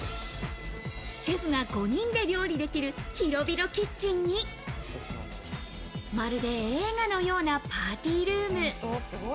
シェフが５人で料理できる広々キッチンに、まるで映画のようなパーティールーム。